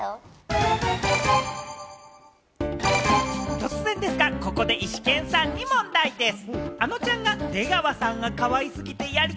突然ですが、ここでイシケンさんに問題です。